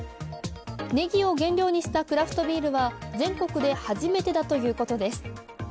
ネギを原料にしたクラフトビールは全国で初めてだということです。